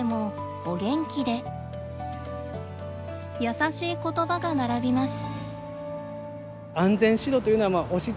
優しいことばが並びます。